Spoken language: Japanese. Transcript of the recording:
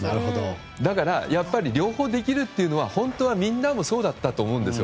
だからやっぱり両方できるというのは本当はみんなもそうだったと思うんですよ。